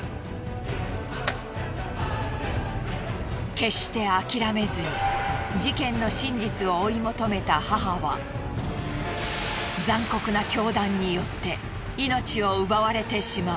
決して諦めずに事件の真実を追い求めた母は残酷な凶弾によって命を奪われてしまう。